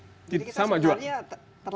jadi kita sedikit terlambat